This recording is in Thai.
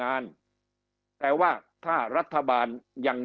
คำอภิปรายของสอสอพักเก้าไกลคนหนึ่ง